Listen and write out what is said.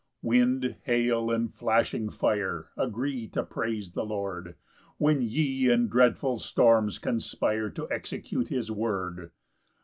5 Wind, hail, and flashing fire, Agree to praise the Lord, When ye in dreadful storms conspire To execute his word.